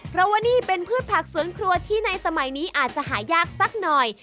เพราะว่านี่เป็นพืชผักสวนครัวที่ในสมัยนี้อาจจะหายากสักหน่อย